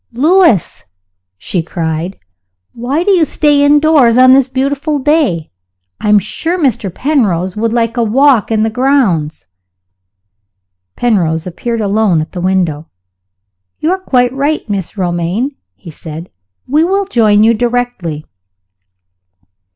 "Lewis!" she cried, "why do you stay indoors on this beautiful day? I am sure Mr. Penrose would like a walk in the grounds." Penrose appeared alone at the window. "You are quite right, Mrs. Romayne," he said; "we will join you directly."